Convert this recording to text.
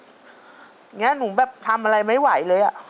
อย่างนี้หนูแบบทำอะไรไม่ไหวเลย